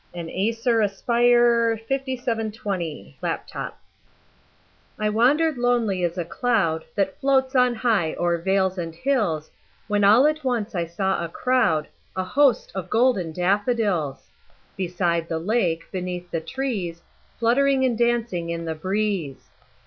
William Wordsworth I Wandered Lonely As a Cloud I WANDERED lonely as a cloud That floats on high o'er vales and hills, When all at once I saw a crowd, A host, of golden daffodils; Beside the lake, beneath the trees, Fluttering and dancing in the breeze.